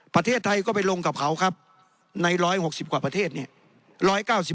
ประเทศไทยก็ไปลงกับเขาครับใน๑๖๐กว่าประเทศเนี่ย